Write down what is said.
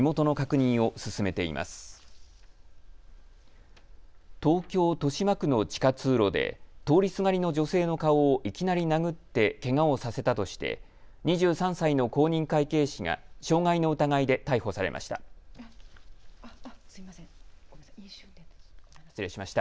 東京豊島区の地下通路で通りすがりの女性の顔をいきなり殴ってけがをさせたとして２３歳の公認会計士が傷害の疑いで逮捕されました。